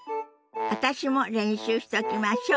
私も練習しときましょ。